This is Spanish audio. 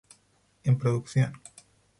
En Producción